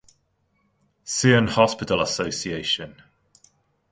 Zion Hospital Association.